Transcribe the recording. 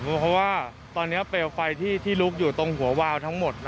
เพราะว่าตอนนี้เปลวไฟที่ลุกอยู่ตรงหัววาวทั้งหมด